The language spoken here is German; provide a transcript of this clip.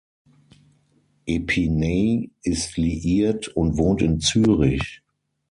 Epiney ist liiert und wohnt in Zürich.